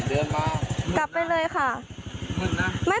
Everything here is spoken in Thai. เออสุดท้ายแล้ว